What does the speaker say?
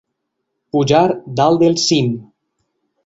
Pujar dalt del cim.